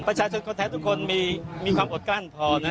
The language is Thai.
ประชาชนคนไทยทุกคนมีความอดกลั้นพอนะ